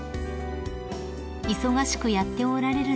［「忙しくやっておられるんですね」